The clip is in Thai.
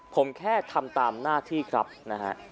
ผมแค่ทำตามหน้าที่ครับนะฮะ